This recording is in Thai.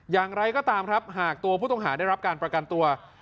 อย่างไรก็ตามครับหากตัวผู้ต้องหาได้รับการประกันตัว